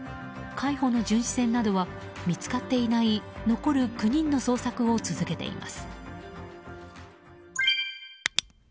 海保の巡視船などは見つかっていない残る９人の捜索を続けています。